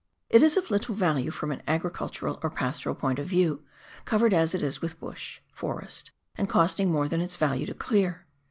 It is of little value from an agricultural or pastoral point of view, covered as it is with bush (forest), and costing more than its value to clear.